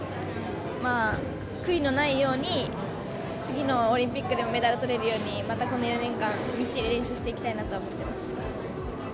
悔いのないように、次のオリンピックでメダルとれるように、またこの４年間、みっちり練習していきたいなと思ってます。